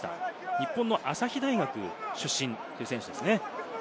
日本の朝日大学出身という選手です。